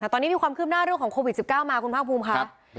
แต่ตอนนี้มีความคืบหน้าเรื่องของโควิด๑๙มาคุณภาคภูมิค่ะ